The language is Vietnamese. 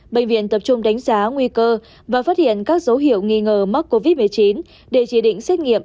bệnh viện tập trung đánh giá nguy cơ và phát hiện các dấu hiệu nghi ngờ mắc covid một mươi chín để chỉ định xét nghiệm